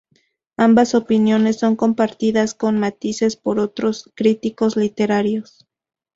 Ambas opiniones son compartidas con matices por otros críticos literarios.